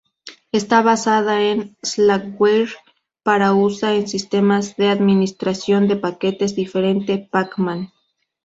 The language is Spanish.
Está basada en Slackware, pero usa un sistema de administración de paquetes diferente, Pacman.